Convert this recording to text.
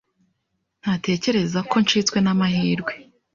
nkatekereza ko ncitswe n’amahirwe